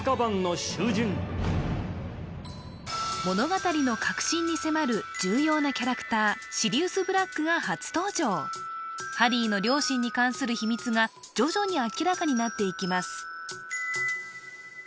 物語の核心に迫る重要なキャラクターシリウス・ブラックが初登場ハリーの両親に関する秘密が徐々に明らかになっていきます